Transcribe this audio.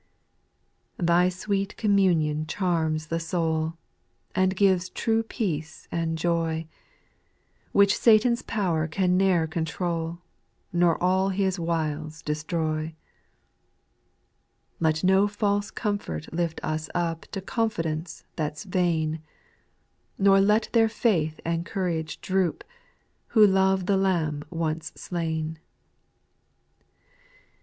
Thy sweet communion charms the soul, And gives true peace and joy, Which Satan's power can ne'er control, Nor all his wiles destroy. 4. Let no false comfort lift us up To confidence that 's vain ; Nor let their faith and courage droop. Who love the Lamb once slain.